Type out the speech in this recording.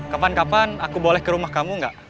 kapan kapan aku boleh ke rumah kamu nggak